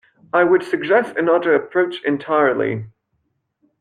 I would suggest another approach entirely.